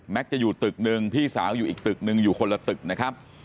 จะอยู่ตึกนึงพี่สาวอยู่อีกตึกนึงอยู่คนละตึกนะครับ